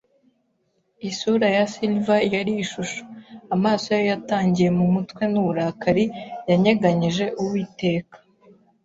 Isura ya silver yari ishusho; amaso ye yatangiye mu mutwe n'uburakari. Yanyeganyeje Uwiteka